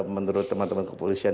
menurut teman teman kepolisian